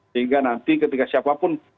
sehingga nanti ketika siapapun